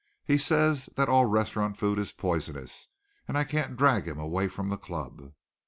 He says that all restaurant food is poisonous, and I can't drag him away from the club.